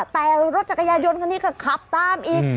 แต่รถจักรยายนต์คันนี้ก็ขับตามอีก